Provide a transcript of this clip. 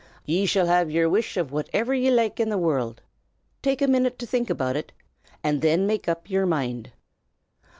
Ye shall have yer wish of whatever ye like in the world. Take a minute to think about it, and then make up yer mind."